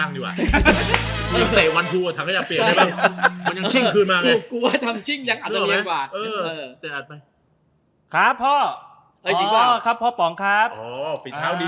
อ๋อเรียบร้อยแล้วครับพ่อป๋องครับ